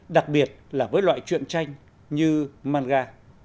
đặc biệt là với loại truyện tranh như manga